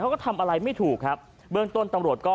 เขาก็ทำอะไรไม่ถูกครับเบื้องต้นตำรวจก็